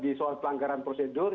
di soal pelanggaran prosedur